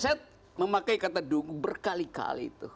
saya memakai kata dungu berkali kali tuh